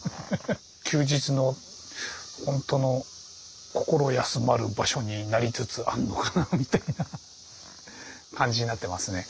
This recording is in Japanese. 休日のほんとの心休まる場所になりつつあんのかなみたいな感じになってますね